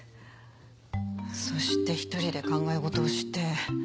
そして一人で考え事をして。